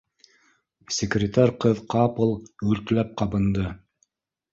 Секретарь ҡыҙ ҡапыл гөлтләп ҡабынды